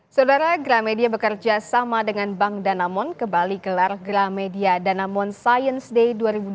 saudara gramedia bekerja sama dengan bank danamon kembali gelar gramedia danamon science day dua ribu dua puluh